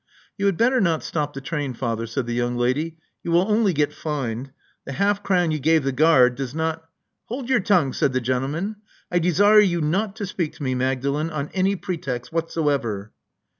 You had better not stop the train, father," said the young lady. You will only get fined. The half crown you gave the guard does not " Hold your tongue," said the gentleman. I desire you not to speak to me, Magdalen, on any pre text whatsoever."